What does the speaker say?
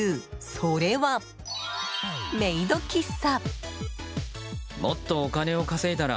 それはメイド喫茶。